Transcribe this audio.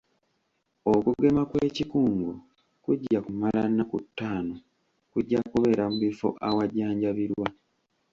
Okugema kw'ekikungo kujja kumala nnaku ttaano, kujja kubeera mu bifo awajjanjabirwa.